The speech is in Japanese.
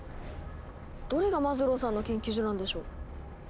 どれがマズローさんの研究所なんでしょう？